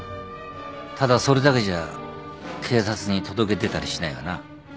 ただそれだけじゃ警察に届け出たりしないわな。